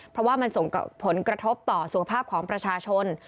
เพราะว่ามันส่งผลกระทบต่อสุขภาพของประชาชน